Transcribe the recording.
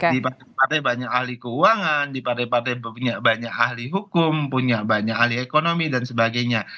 di partai partai banyak ahli keuangan di partai partai punya banyak ahli hukum punya banyak ahli ekonomi dan sebagainya